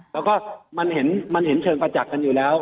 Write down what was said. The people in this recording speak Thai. แล้วก็มันเห็นเชิงประจักษ์กันอยู่แล้ว